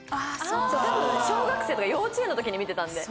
多分小学生とか幼稚園の時に見てたんで。